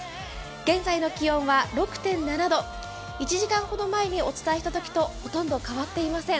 現在の気温は６．７度１時間ほど前にお伝えしたときとほとんど変わっていません。